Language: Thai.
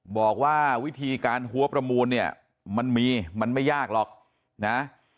บอกว่าวิธีการหัวประมูลเนี่ยมันมีมันไม่ยากหรอกนะ